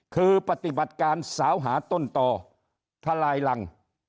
คือปฏิบัติการสาวหาต้นต่อทลายรัง